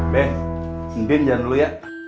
ben mpim jalan dulu ya